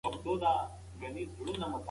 زه به دا سپېڅلی کتاب په مینه په تاقچه کې کېږدم.